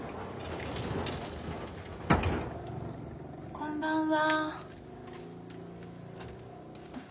こんばんは。